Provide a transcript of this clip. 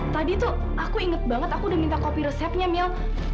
tadi tuh aku inget banget aku udah minta kopi resepnya mil